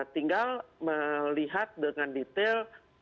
tinggal melihat dengan detail